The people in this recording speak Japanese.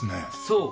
そう！